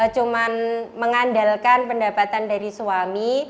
cuma mengandalkan pendapatan dari suami